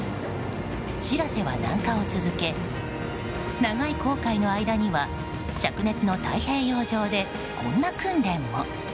「しらせ」は南下を続け長い航海の間には灼熱の太平洋上でこんな訓練も。